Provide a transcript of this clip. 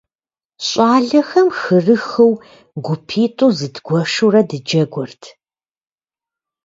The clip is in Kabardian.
ЩӀалэхэм хырыхыу гупитӀу зыдгуэшурэ дыджэгурт.